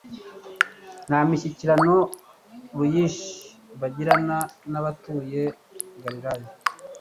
nta mishyikirano ruyinshi bagiranaga n'abatuye i Galilaya.